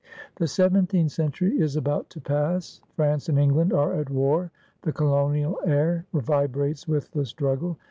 The seventeenth century is about to pass. France and England are at war. The colonial air vibrates with the struggle.